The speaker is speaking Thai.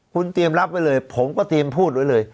คุณเตรียมรับไว้เลยผมก็เตรียมพูดไว้เลย